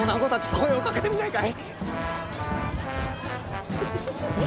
声をかけてみないかい？